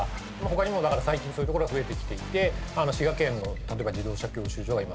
他にも最近そういう所が増えてきていて滋賀県の例えば自動車教習所が今。